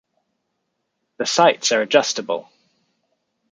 The sights are adjustable.